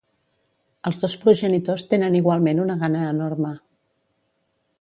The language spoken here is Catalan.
Els dos progenitors tenen igualment una gana enorme.